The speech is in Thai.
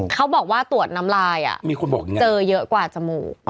เขาบอกว่าตรวจน้ำลายมีคนบอกเจอเยอะกว่าจมูก